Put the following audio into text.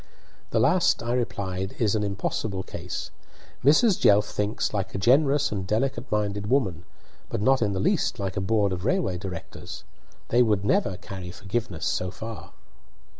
"The last," I replied, "is an impossible case. Mrs. Jelf thinks like a generous and delicate minded woman, but not in the least like a board of railway directors. They would never carry forgiveness so far."